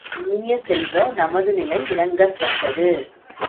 இனியசெல்வ, நமது நிலை இரங்கத்தக்கது.